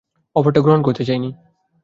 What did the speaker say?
অফারটা গ্রহণ করতে চাইনি।